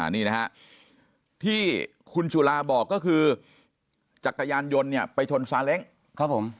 นี่นะฮะที่คุณจุลาบอกก็คือจักรยานยนต์เนี่ยไปชนซาเล้งครับผม